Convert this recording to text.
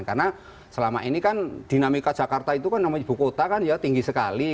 karena selama ini kan dinamika jakarta itu kan nama ibu kota kan tinggi sekali